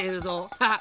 ハッ。